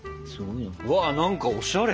うわ何かおしゃれ！